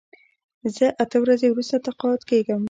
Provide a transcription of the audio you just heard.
زه اته ورځې وروسته تقاعد کېږم.